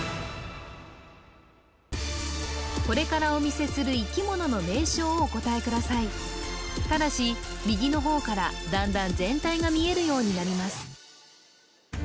これからお見せする生き物の名称をお答えくださいただし右の方からだんだん全体が見えるようになります